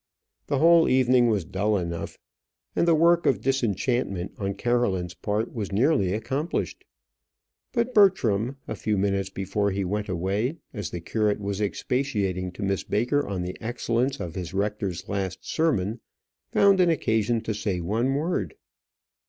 The whole evening was dull enough, and the work of disenchantment on Caroline's part was nearly accomplished; but Bertram, a few minutes before he went away, as the curate was expatiating to Miss Baker on the excellence of his rector's last sermon, found an occasion to say one word.